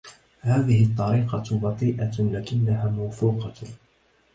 هذه الطريقة بطيئة لكنها موثوقة